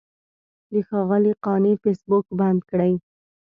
د ښاغلي قانع فیسبوک بند کړی.